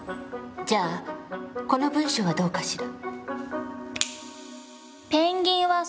じゃあこの文章はどうかしら。